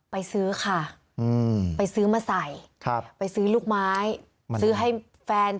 ไปซื้อค่ะไปซื้อมาใส่ครับไปซื้อลูกไม้ซื้อให้แฟน